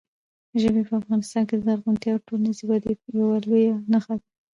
ژبې په افغانستان کې د زرغونتیا او ټولنیزې ودې یوه لویه نښه ده.